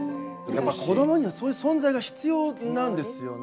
やっぱ子どもにはそういう存在が必要なんですよね。